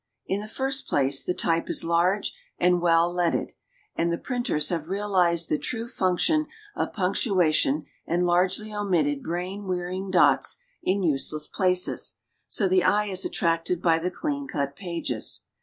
In the first place the ty|)e is large and well leaded, and the printers have realized the true function of punctuation and largely omitted brain wearying dots in useless ]»laces ; so the eye is attracted by the clean cut pages.